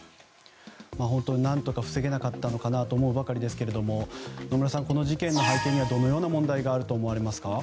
何とか防げなかったのかなと思うばかりですが野村さんこの事件の背景にはどのような問題があると思われますか。